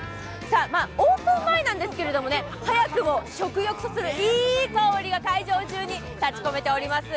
オープン前なんですけれども、早くも食欲をそそるいい香りが会場にたちこめております。